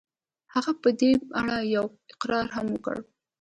هغه په دې اړه يو اقرار هم وکړ.